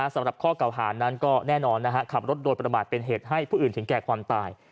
สำหรับข้อเก่าหานั้นก็แน่นอนขับรถโดยประมาทเป็นเหตุให้ผู้อื่นถึงแก่ความตาย